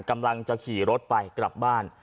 กำลังจะขี่รถไปกลับบ้าน